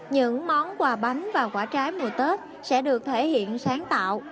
những món quà bánh và quả trái mùa tết sẽ được thể hiện sáng tạo